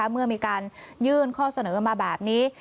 เมื่อมีการยื่นข้อเสนอมาแบบนี้